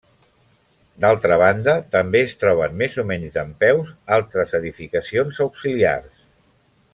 D'altra banda, també es troben més o menys dempeus altres edificacions auxiliars.